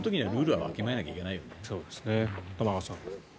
玉川さん。